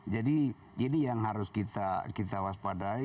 jadi yang harus kita waspadai